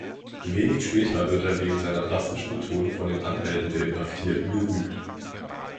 Wenig später wird er wegen seiner drastischen Methoden von den Anwälten der Inhaftierten gerügt.